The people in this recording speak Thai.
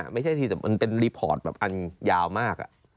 มันเป็นรีปอร์ตแบบอันยาวมาก